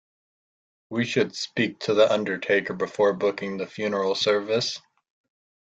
We should speak to the undertaker before booking the funeral service